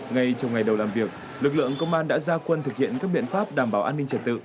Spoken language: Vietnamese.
ngay trong ngày đầu làm việc lực lượng công an đã ra quân thực hiện các biện pháp đảm bảo an ninh trật tự